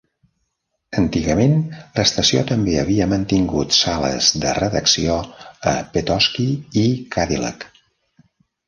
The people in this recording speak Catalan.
Antigament, l'estació també havia mantingut sales de redacció a Petoskey i Cadillac.